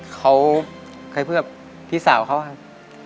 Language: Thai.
เขาเคยเพื่อพี่สาวเขาครับ